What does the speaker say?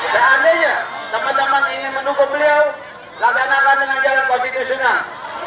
seandainya teman teman ingin menunggu beliau laksanakan dengan cara konstitusional